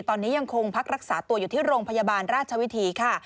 ตอนนี้ยังคงพักรักษาตัวอยู่ที่โรงพยาบาลราชวิถีค่ะ